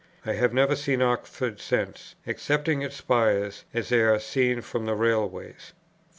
I have never seen Oxford since, excepting its spires, as they are seen from the railway.